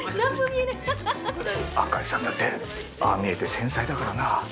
赤井さんだってああ見えて繊細だからな。